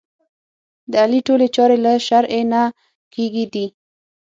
د علي ټولې چارې له شرعې نه کېږي دي.